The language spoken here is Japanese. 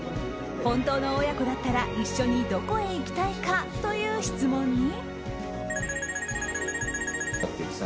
本当の親子だったら一緒にどこへ行きたいか？という質問に。